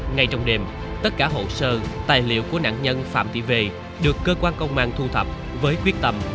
ngay trong đêm tất cả hộ sơ tài liệu của nạn nhân phạm thị về được cơ quan công an thu thập với quyết tâm